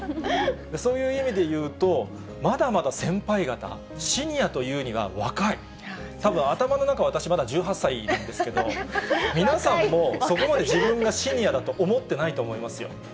そういう意味で言うと、まだまだ先輩方、シニアというには若い、たぶん、頭の中、私１８歳なんですけど、皆さんもそこまで自分がシニアだと思ってないと思いますよ。